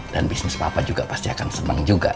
dan bisnis papa juga pasti akan seneng juga